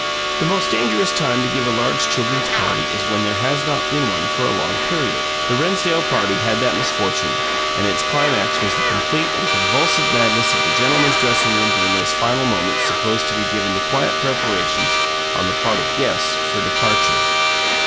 The most dangerous time to give a large children's party is when there has not been one for a long period. The Rennsdale party had that misfortune, and its climax was the complete and convulsive madness of the gentlemen's dressing room during those final moments supposed to be given to quiet preparations, on the part of guests, for departure.